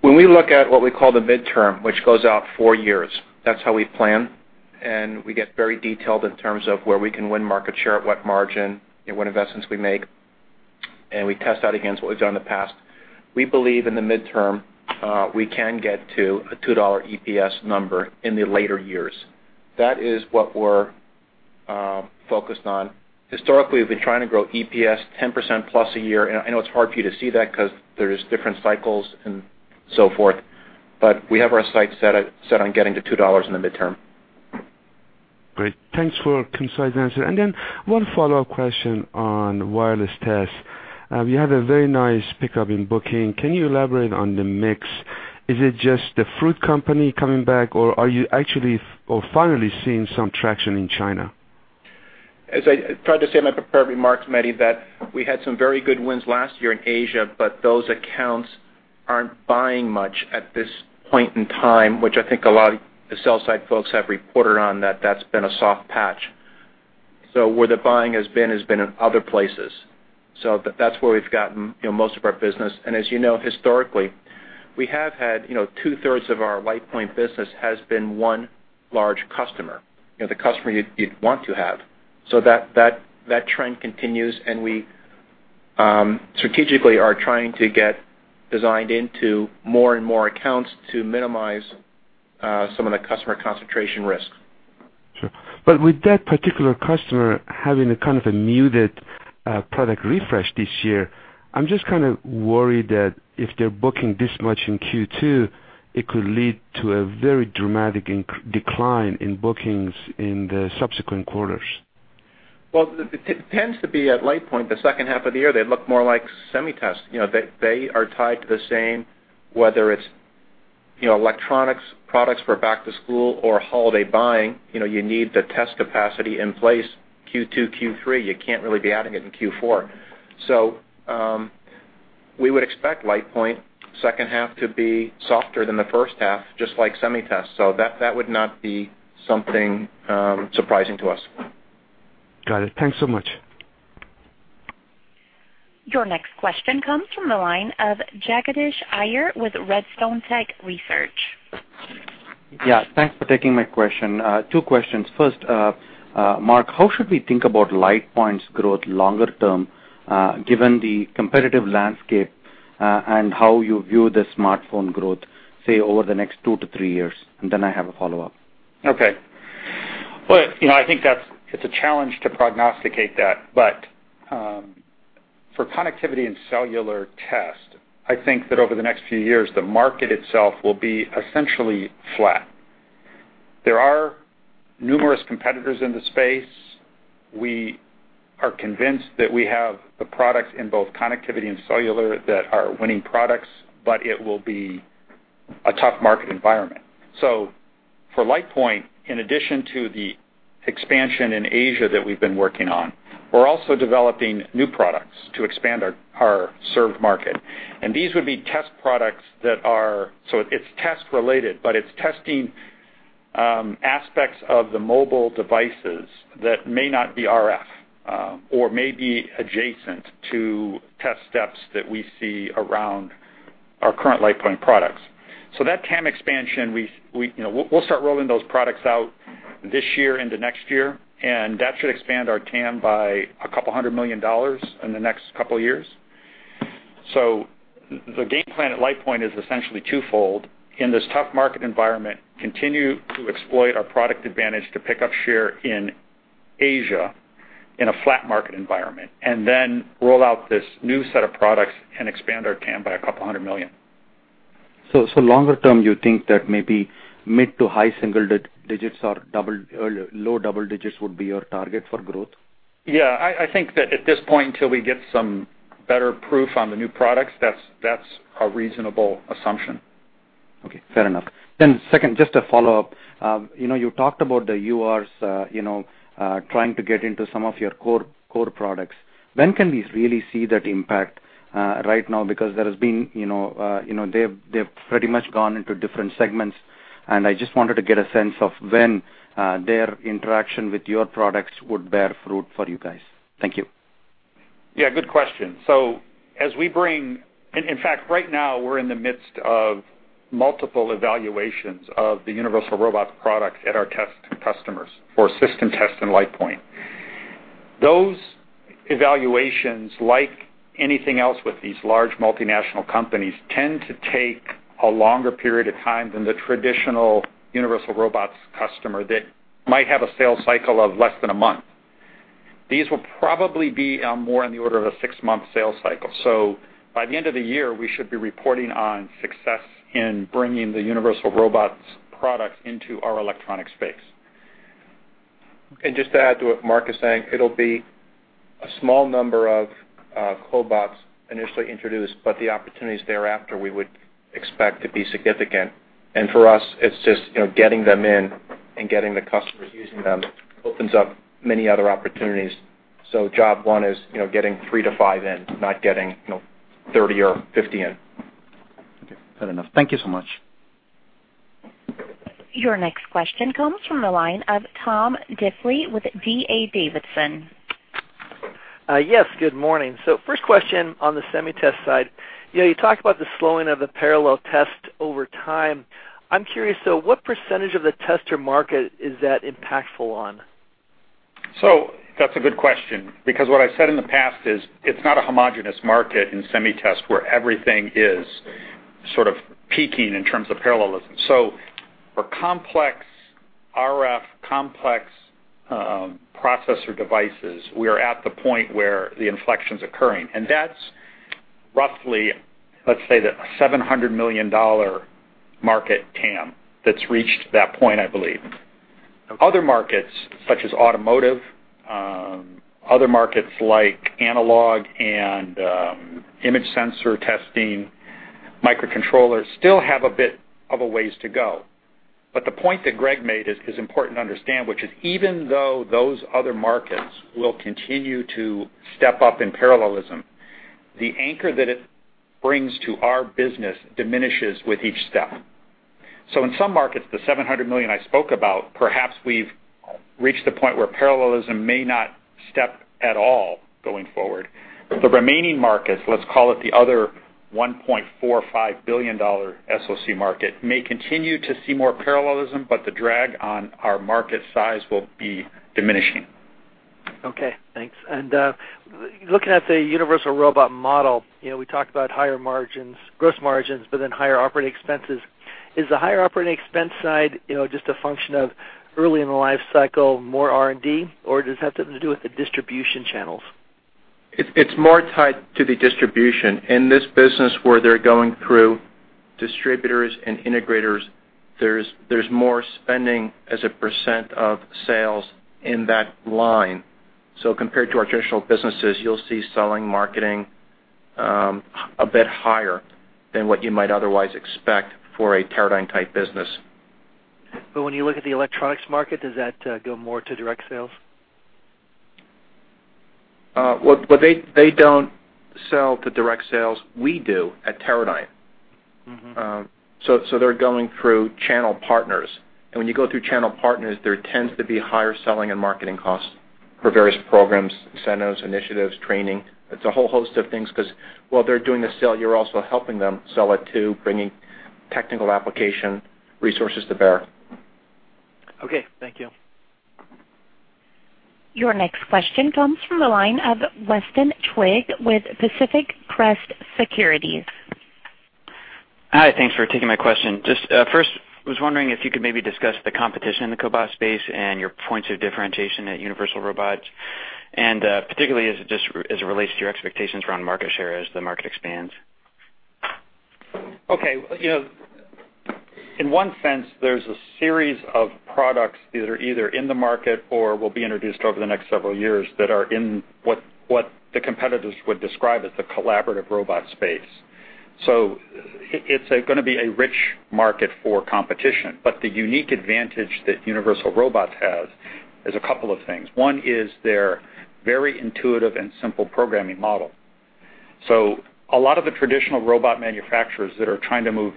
When we look at what we call the midterm, which goes out four years, that's how we plan. We get very detailed in terms of where we can win market share, at what margin, what investments we make, and we test that against what we've done in the past. We believe in the midterm, we can get to a $2 EPS number in the later years. That is what we're focused on. Historically, we've been trying to grow EPS 10% plus a year. I know it's hard for you to see that because there's different cycles and so forth. We have our sights set on getting to $2 in the midterm. Great. Thanks for concise answer. Then one follow-up question on wireless test. You have a very nice pickup in booking. Can you elaborate on the mix? Is it just Apple coming back, or are you actually or finally seeing some traction in China? As I tried to say in my prepared remarks, Mehdi, that we had some very good wins last year in Asia, but those accounts aren't buying much at this point in time, which I think a lot of the sell side folks have reported on that that's been a soft patch. Where the buying has been, has been in other places. That's where we've gotten most of our business. As you know, historically, we have had two-thirds of our LitePoint business has been one large customer, the customer you'd want to have. That trend continues, and we strategically are trying to get designed into more and more accounts to minimize some of the customer concentration risk. Sure. With that particular customer having a kind of a muted product refresh this year, I'm just kind of worried that if they're booking this much in Q2, it could lead to a very dramatic decline in bookings in the subsequent quarters. Well, it tends to be at LitePoint, the second half of the year, they look more like Semi Test. They are tied to the same, whether it's electronics products for back to school or holiday buying, you need the test capacity in place Q2, Q3, you can't really be adding it in Q4. We would expect LitePoint second half to be softer than the first half, just like Semi Test. That would not be something surprising to us. Got it. Thanks so much. Your next question comes from the line of Jagadish Iyer with Redstone Technology Research. Yeah, thanks for taking my question. Two questions. First, Mark, how should we think about LitePoint's growth longer term, given the competitive landscape, and how you view the smartphone growth, say, over the next two to three years? Then I have a follow-up. Okay. Well, I think it's a challenge to prognosticate that. For connectivity and cellular test, I think that over the next few years, the market itself will be essentially flat. There are numerous competitors in the space. We are convinced that we have the products in both connectivity and cellular that are winning products, but it will be a tough market environment. For LitePoint, in addition to the expansion in Asia that we've been working on, we're also developing new products to expand our served market. These would be test products, so it's test related, but it's testing aspects of the mobile devices that may not be RF, or may be adjacent to test steps that we see around our current LitePoint products. That TAM expansion, we'll start rolling those products out this year into next year, and that should expand our TAM by $200 million in the next couple of years. The game plan at LitePoint is essentially twofold. In this tough market environment, continue to exploit our product advantage to pick up share in Asia in a flat market environment, then roll out this new set of products and expand our TAM by $200 million. longer term, you think that maybe mid to high single digits or low double digits would be your target for growth? I think that at this point, till we get some better proof on the new products, that's a reasonable assumption. Fair enough. second, just a follow-up. You talked about the URs trying to get into some of your core products. When can we really see that impact, right now? Because they've pretty much gone into different segments, and I just wanted to get a sense of when their interaction with your products would bear fruit for you guys. Thank you. good question. In fact, right now, we're in the midst of multiple evaluations of the Universal Robots products at our test customers for system test and LitePoint. Those evaluations, like anything else with these large multinational companies, tend to take a longer period of time than the traditional Universal Robots customer that might have a sales cycle of less than a month. These will probably be more in the order of a six-month sales cycle. by the end of the year, we should be reporting on success in bringing the Universal Robots products into our electronic space. Just to add to what Mark is saying, it'll be a small number of cobots initially introduced, but the opportunities thereafter we would expect to be significant. For us, it's just getting them in and getting the customers using them opens up many other opportunities. Job one is getting three to five in, not getting 30 or 50 in. Okay. Fair enough. Thank you so much. Your next question comes from the line of Tom Diffley with D.A. Davidson. Yes, good morning. First question on the Semi Test side. You talked about the slowing of the parallel test over time. I'm curious, though, what percentage of the tester market is that impactful on? That's a good question, because what I've said in the past is it's not a homogenous market in Semi Test where everything is sort of peaking in terms of parallelism. For complex RF, complex processor devices, we are at the point where the inflection's occurring, and that's roughly, let's say, the $700 million market TAM that's reached that point, I believe. Other markets, such as automotive, other markets like analog and image sensor testing, microcontrollers, still have a bit of a ways to go. The point that Greg made is important to understand, which is even though those other markets will continue to step up in parallelism, the anchor that it brings to our business diminishes with each step. In some markets, the $700 million I spoke about, perhaps we've reached the point where parallelism may not step at all going forward. The remaining markets, let's call it the other $1.45 billion SoC market, may continue to see more parallelism, the drag on our market size will be diminishing. Thanks. Looking at the Universal Robot model, we talked about higher margins, gross margins, higher operating expenses. Is the higher operating expense side just a function of early in the life cycle, more R&D, or does it have something to do with the distribution channels? It's more tied to the distribution. In this business where they're going through distributors and integrators, there's more spending as a percent of sales in that line. Compared to our traditional businesses, you'll see selling, marketing, a bit higher than what you might otherwise expect for a Teradyne-type business. When you look at the electronics market, does that go more to direct sales? They don't sell to direct sales. We do at Teradyne. They're going through channel partners. When you go through channel partners, there tends to be higher selling and marketing costs for various programs, incentives, initiatives, training. It's a whole host of things because while they're doing the sale, you're also helping them sell it too, bringing technical application resources to bear. Okay. Thank you. Your next question comes from the line of Weston Twigg with Pacific Crest Securities. Hi, thanks for taking my question. Just first, was wondering if you could maybe discuss the competition in the cobot space and your points of differentiation at Universal Robots, and particularly as it relates to your expectations around market share as the market expands. Okay. In one sense, there's a series of products that are either in the market or will be introduced over the next several years that are in what the competitors would describe as the collaborative robot space. It's going to be a rich market for competition, but the unique advantage that Universal Robots has is a couple of things. One is their very intuitive and simple programming model. A lot of the traditional robot manufacturers that are trying to move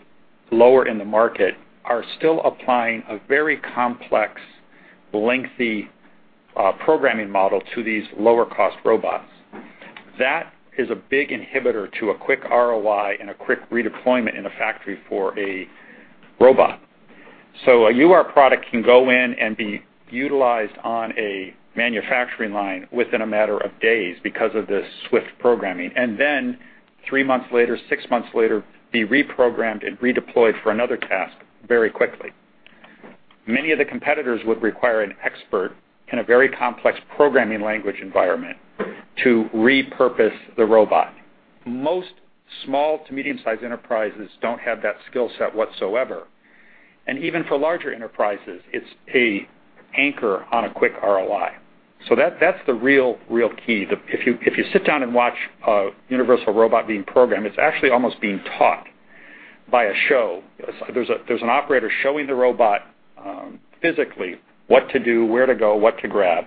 lower in the market are still applying a very complex, lengthy, programming model to these lower-cost robots. That is a big inhibitor to a quick ROI and a quick redeployment in a factory for a robot. A UR product can go in and be utilized on a manufacturing line within a matter of days because of the swift programming, and then 3 months later, 6 months later, be reprogrammed and redeployed for another task very quickly. Many of the competitors would require an expert in a very complex programming language environment to repurpose the robot. Most small to medium-sized enterprises don't have that skill set whatsoever, and even for larger enterprises, it's an anchor on a quick ROI. That's the real key. If you sit down and watch a Universal Robot being programmed, it's actually almost being taught by a show. There's an operator showing the robot physically what to do, where to go, what to grab,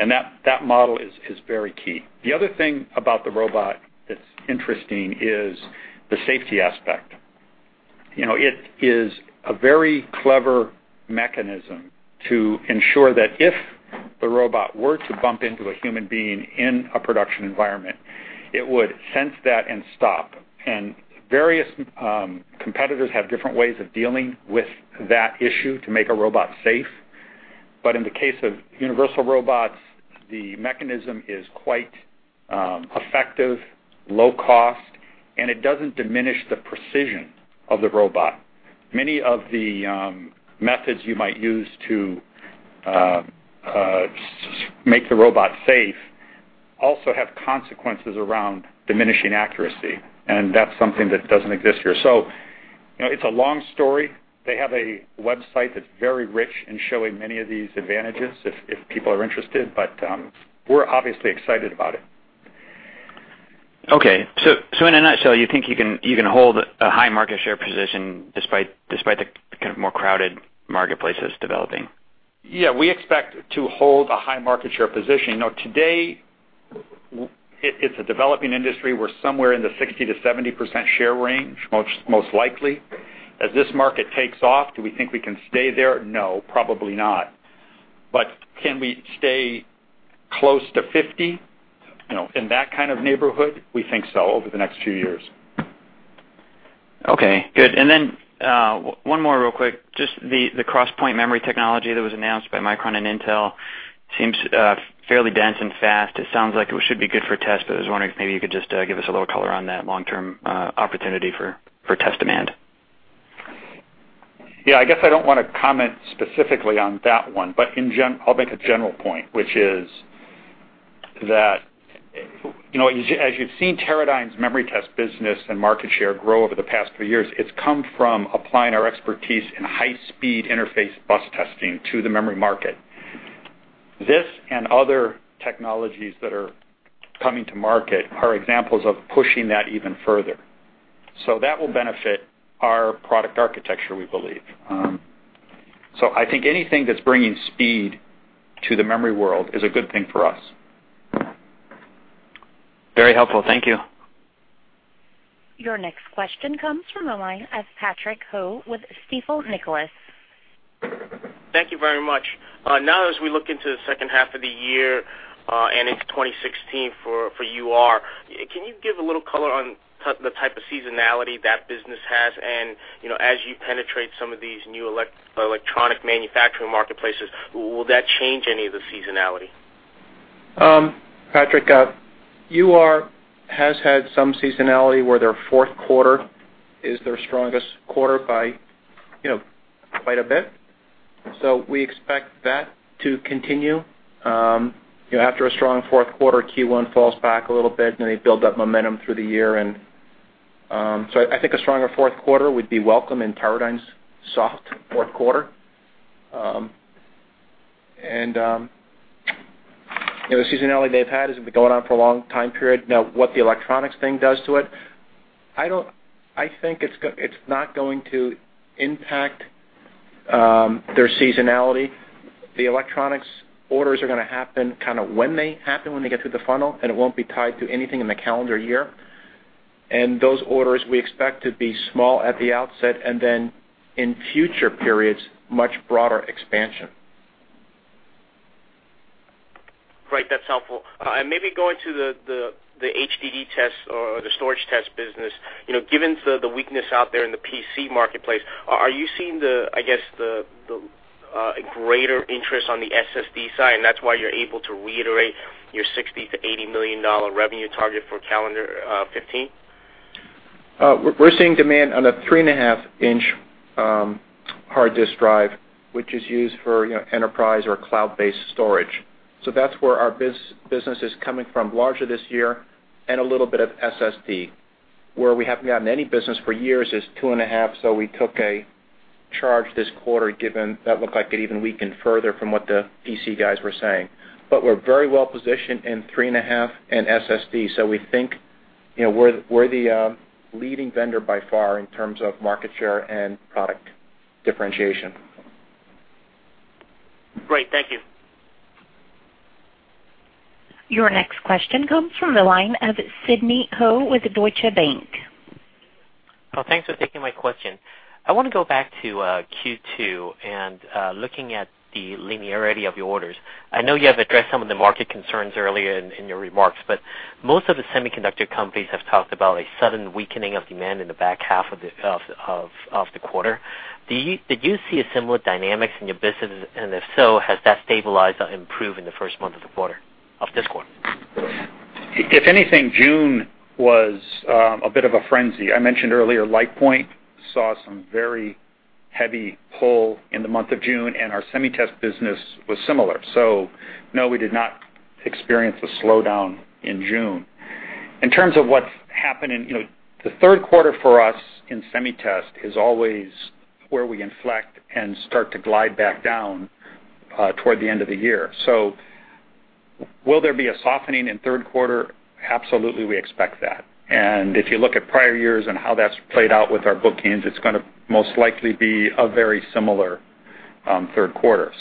and that model is very key. The other thing about the robot that's interesting is the safety aspect. It is a very clever mechanism to ensure that if the robot were to bump into a human being in a production environment, it would sense that and stop. Various competitors have different ways of dealing with that issue to make a robot safe. In the case of Universal Robots, the mechanism is quite effective, low cost, and it doesn't diminish the precision of the robot. Many of the methods you might use to make the robot safe also have consequences around diminishing accuracy, and that's something that doesn't exist here. It's a long story. They have a website that's very rich in showing many of these advantages, if people are interested. We're obviously excited about it. Okay. In a nutshell, you think you can hold a high market share position despite the more crowded marketplaces developing? Yeah, we expect to hold a high market share position. Today, it's a developing industry. We're somewhere in the 60%-70% share range, most likely. As this market takes off, do we think we can stay there? No, probably not. Can we stay close to 50? In that kind of neighborhood? We think so, over the next few years. Okay, good. Then, one more real quick. Just the cross-point memory technology that was announced by Micron and Intel seems fairly dense and fast. It sounds like it should be good for tests, I was wondering if maybe you could just give us a little color on that long-term opportunity for test demand. Yeah, I guess I don't want to comment specifically on that one, but I'll make a general point, which is that, as you've seen Teradyne's memory test business and market share grow over the past few years, it's come from applying our expertise in high-speed interface bus testing to the memory market. This and other technologies that are coming to market are examples of pushing that even further. That will benefit our product architecture, we believe. I think anything that's bringing speed to the memory world is a good thing for us. Very helpful. Thank you. Your next question comes from the line of Patrick Ho with Stifel Nicolaus. Thank you very much. As we look into the second half of the year, and into 2016 for UR, can you give a little color on the type of seasonality that business has? As you penetrate some of these new electronic manufacturing marketplaces, will that change any of the seasonality? Patrick, UR has had some seasonality where their fourth quarter is their strongest quarter by quite a bit. We expect that to continue. After a strong fourth quarter, Q1 falls back a little bit. They build up momentum through the year. I think a stronger fourth quarter would be welcome in Teradyne's soft fourth quarter. The seasonality they've had has been going on for a long time period. What the electronics thing does to it, I think it's not going to impact their seasonality. The electronics orders are going to happen when they happen, when they get through the funnel, and it won't be tied to anything in the calendar year. Those orders, we expect to be small at the outset, and then in future periods, much broader expansion. Great. That's helpful. Maybe going to the HDD test or the storage test business. Given the weakness out there in the PC marketplace, are you seeing the, I guess a greater interest on the SSD side, and that's why you're able to reiterate your $60 million-$80 million revenue target for calendar 2015? We're seeing demand on a three-and-a-half inch hard disk drive, which is used for enterprise or cloud-based storage. That's where our business is coming from larger this year and a little bit of SSD. Where we haven't gotten any business for years is two-and-a-half. We took a charge this quarter given that looked like it even weakened further from what the PC guys were saying. We're very well-positioned in three-and-a-half and SSD. We think we're the leading vendor by far in terms of market share and product differentiation. Great. Thank you. Your next question comes from the line of Sidney Ho with Deutsche Bank. Thanks for taking my question. I want to go back to Q2 and looking at the linearity of your orders. I know you have addressed some of the market concerns earlier in your remarks, but most of the semiconductor companies have talked about a sudden weakening of demand in the back half of the quarter. Did you see a similar dynamic in your business? If so, has that stabilized or improved in the first month of this quarter? If anything, June was a bit of a frenzy. I mentioned earlier, LitePoint saw some very heavy pull in the month of June, and our Semi Test business was similar. No, we did not experience a slowdown in June. In terms of what's happening, the third quarter for us in Semi Test is always where we inflect and start to glide back down toward the end of the year. Will there be a softening in third quarter? Absolutely, we expect that. If you look at prior years and how that's played out with our bookings, it's going to most likely be a very similar third quarter.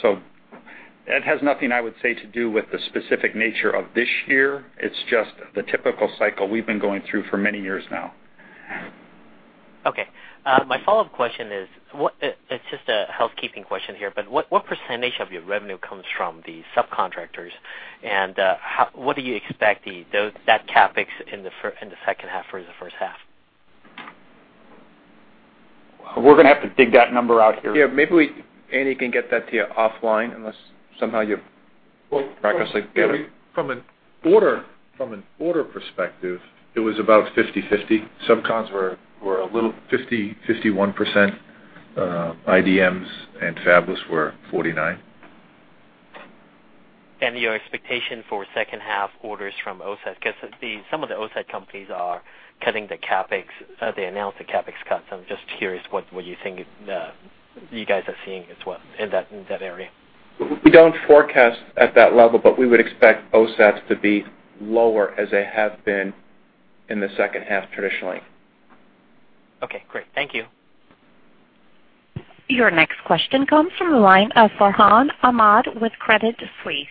It has nothing, I would say, to do with the specific nature of this year. It's just the typical cycle we've been going through for many years now. Okay. My follow-up question is, it's just a housekeeping question here, but what % of your revenue comes from the subcontractors? What do you expect that CapEx in the second half versus the first half? We're going to have to dig that number out here. Yeah, maybe Andy can get that to you offline, unless somehow you've practiced together. From an order perspective, it was about 50/50. Subcons were a little 50, 51%, IDMs and fabless were 49. Your expectation for second half orders from OSAT, because some of the OSAT companies are cutting the CapEx, they announced the CapEx cuts. I'm just curious what you guys are seeing as well in that area. We don't forecast at that level, we would expect OSAT to be lower as they have been in the second half, traditionally. Okay, great. Thank you. Your next question comes from the line of Farhan Ahmad with Credit Suisse.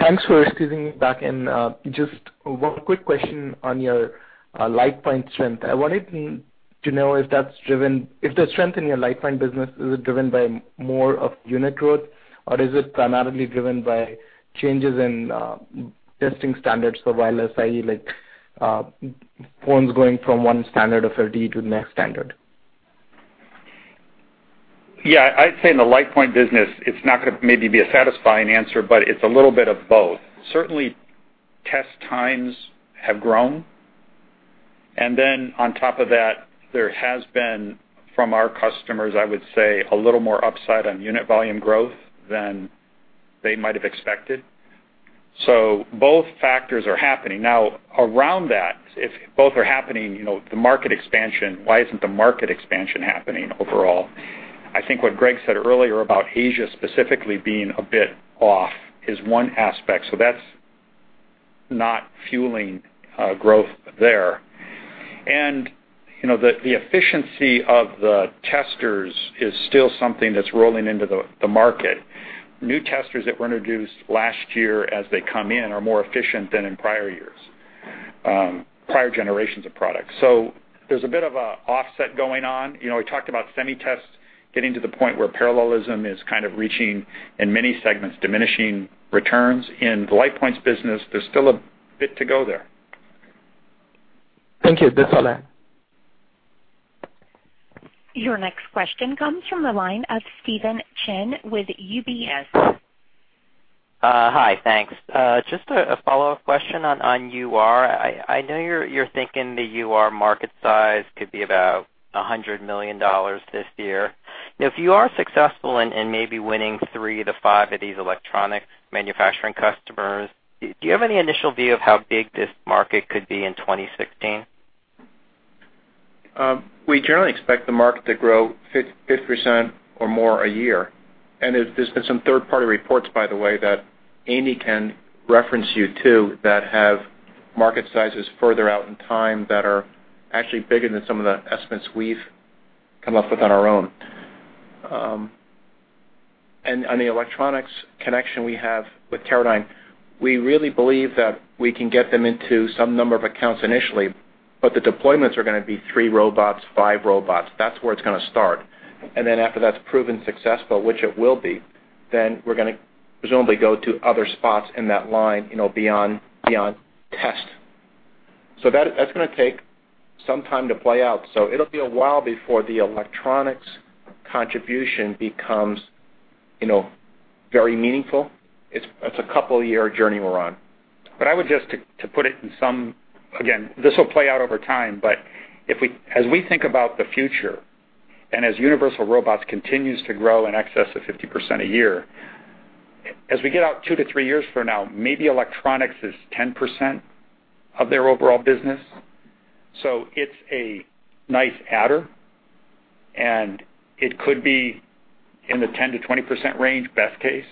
Thanks for squeezing me back in. Just one quick question on your LitePoint strength. I wanted to know if the strength in your LitePoint business, is it driven by more of unit growth, or is it primarily driven by changes in testing standards for wireless, i.e., like phones going from one standard of RF to the next standard? Yeah, I'd say in the LitePoint business, it's not going to maybe be a satisfying answer, but it's a little bit of both. Certainly, test times have grown, and then on top of that, there has been from our customers, I would say, a little more upside on unit volume growth than they might have expected. Both factors are happening. Around that, if both are happening, the market expansion, why isn't the market expansion happening overall? I think what Greg said earlier about Asia specifically being a bit off is one aspect. That's not fueling growth there. The efficiency of the testers is still something that's rolling into the market. New testers that were introduced last year as they come in are more efficient than in prior years, prior generations of products. There's a bit of an offset going on. We talked about Semi Test getting to the point where parallelism is kind of reaching in many segments, diminishing returns. In the LitePoint's business, there's still a bit to go there. Thank you. That's all I have. Your next question comes from the line of Steven Chen with UBS. Hi. Thanks. Just a follow-up question on UR. I know you're thinking the UR market size could be about $100 million this year. If you are successful in maybe winning three to five of these electronic manufacturing customers, do you have any initial view of how big this market could be in 2016? We generally expect the market to grow 50% or more a year. There's been some third-party reports, by the way, that Andy can reference you to, that have market sizes further out in time that are actually bigger than some of the estimates we've come up with on our own. On the electronics connection we have with Teradyne, we really believe that we can get them into some number of accounts initially, but the deployments are going to be three robots, five robots. That's where it's going to start. After that's proven successful, which it will be, we're going to presumably go to other spots in that line, beyond test That's going to take some time to play out. It'll be a while before the electronics contribution becomes very meaningful. It's a couple year journey we're on. I would just to put it in some, again, this will play out over time, but as we think about the future, as Universal Robots continues to grow in excess of 50% a year, as we get out two to three years from now, maybe electronics is 10% of their overall business. It's a nice adder, and it could be in the 10%-20% range, best case.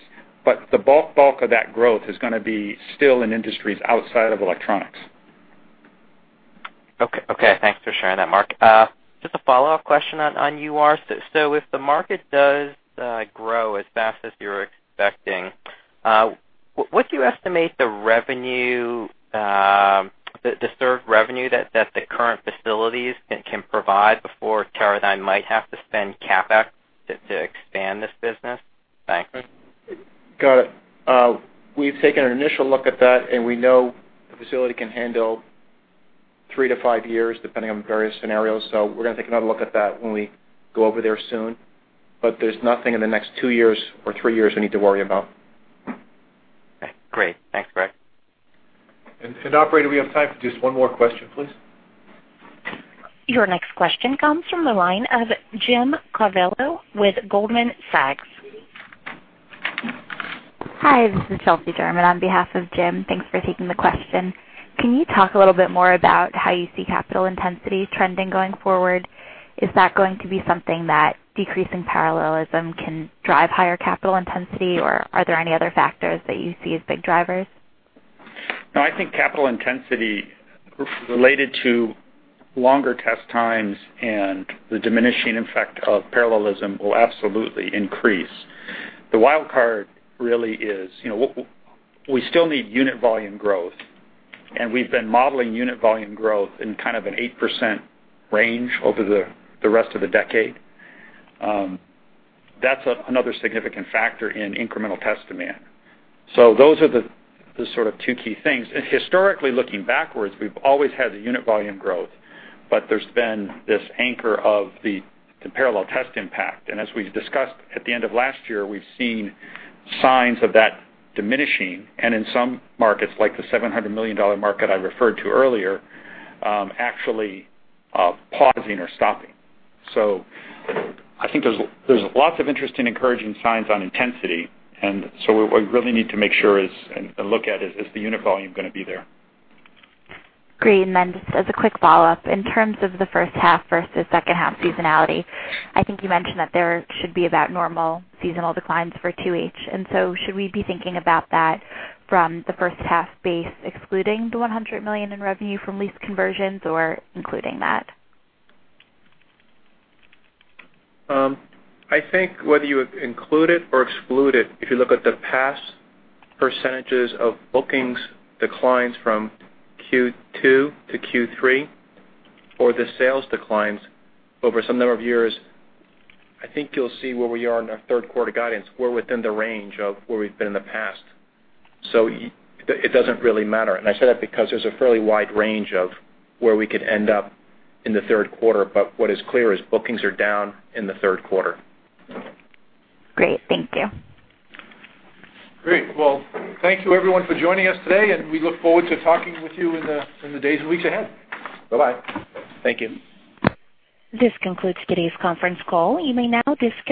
The bulk of that growth is going to be still in industries outside of electronics. Okay. Thanks for sharing that, Mark. Just a follow-up question on UR. If the market does grow as fast as you're expecting, what do you estimate the served revenue that the current facilities can provide before Teradyne might have to spend CapEx to expand this business? Thanks. Got it. We've taken an initial look at that, and we know the facility can handle three to five years, depending on various scenarios. We're going to take another look at that when we go over there soon. There's nothing in the next two years or three years we need to worry about. Great. Thanks, Greg. Operator, we have time for just one more question, please. Your next question comes from the line of Jim Covello with Goldman Sachs. Hi, this is Chelsea Jurman on behalf of Jim. Thanks for taking the question. Can you talk a little bit more about how you see capital intensity trending going forward? Is that going to be something that decreasing parallelism can drive higher capital intensity, or are there any other factors that you see as big drivers? No, I think capital intensity related to longer test times and the diminishing effect of parallelism will absolutely increase. The wild card really is, we still need unit volume growth, and we've been modeling unit volume growth in kind of an 8% range over the rest of the decade. That's another significant factor in incremental test demand. Those are the sort of two key things. Historically, looking backwards, we've always had the unit volume growth, but there's been this anchor of the parallel test impact. As we've discussed at the end of last year, we've seen signs of that diminishing, and in some markets, like the $700 million market I referred to earlier, actually pausing or stopping. I think there's lots of interesting, encouraging signs on intensity, and so what we really need to make sure is, and look at is the unit volume going to be there? Great. Then, just as a quick follow-up, in terms of the first half versus second half seasonality, I think you mentioned that there should be about normal seasonal declines for 2H. So should we be thinking about that from the first half base, excluding the $100 million in revenue from lease conversions, or including that? I think whether you include it or exclude it, if you look at the past percentages of bookings declines from Q2 to Q3, or the sales declines over some number of years, I think you'll see where we are in our third quarter guidance. We're within the range of where we've been in the past. It doesn't really matter. I say that because there's a fairly wide range of where we could end up in the third quarter. What is clear is bookings are down in the third quarter. Great. Thank you. Great. Thank you everyone for joining us today, we look forward to talking with you in the days and weeks ahead. Bye-bye. Thank you. This concludes today's conference call. You may now disconnect.